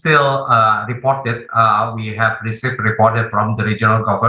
tetapi kami masih mendapatkan laporan dari pemerintah regional